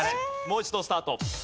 もう一度スタート。